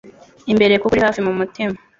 imbere kuko uri hafi mumutima